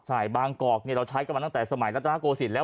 ใช่บางกอกเราใช้กันมาตั้งแต่สมัยรัฐนาโกศิลปแล้ว